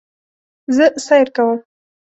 زه سیر کوم